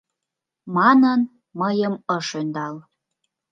Манын, мыйым ыш ӧндал.